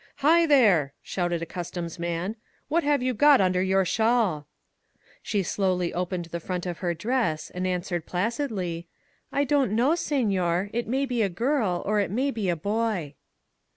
"Hi, there!" shouted a customs man. "What have you got under your shawl?" 4 ON THE BORDER She slowly opened the front of her dress, and an swered placidly: "I don't know, sefior. It may be a girl, or it may be a boy."